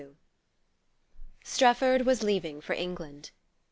XXII. STREFFORD was leaving for England.